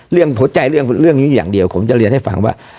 หัวใจเรื่องนี้อย่างเดียวผมจะเรียนให้ฟังว่า